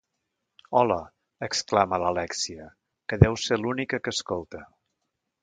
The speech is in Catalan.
Hala!, exclama l'Alèxia, que deu ser l'única que escolta.